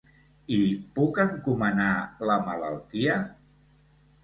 I puc encomanar la malaltia?